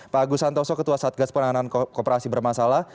pak agus santoso ketua satgas penanganan kooperasi bermasalah